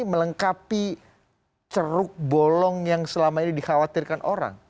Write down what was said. melengkapi ceruk bolong yang selama ini dikhawatirkan orang